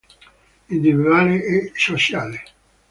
Individuale e sociale.